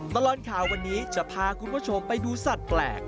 ตลอดข่าววันนี้จะพาคุณผู้ชมไปดูสัตว์แปลก